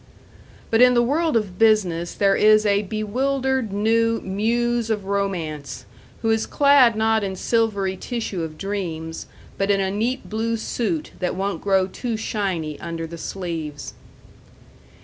But in the world of business there is a bewildered new Muse of Romance, who is clad not in silvery tissue of dreams, but in a neat blue suit that won't grow too shiny under the sleeves.